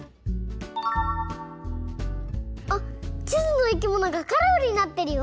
あっちずのいきものがカラフルになってるよ。